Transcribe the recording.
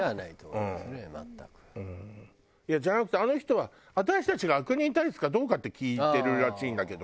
じゃなくてあの人は私たちが悪人体質かどうかって聞いてるらしいんだけど。